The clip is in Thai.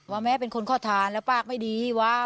ว่าแม่เป็นคนเข้าทานแล้วปากไม่ดีวะ